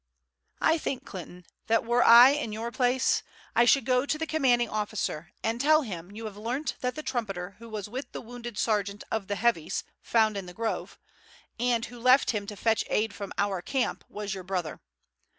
"I think, Clinton, that were I in your place I should go to the commanding officer and tell him you have learnt that the trumpeter who was with the wounded sergeant of the Heavies found in the grove, and who left him to fetch aid from our camp, was your brother.